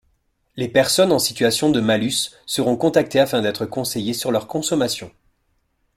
Les personnes en situation de malus seront contactées afin d'êtres conseillées sur leur consommation.